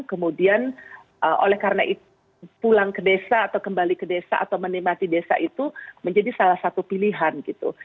kemudian oleh karena itu pulang ke desa atau kembali ke desa atau menikmati desa itu menjadi salah satu pilihan gitu